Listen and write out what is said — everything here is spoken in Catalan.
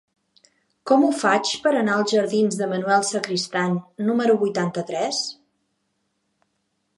Com ho faig per anar als jardins de Manuel Sacristán número vuitanta-tres?